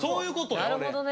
なるほどね。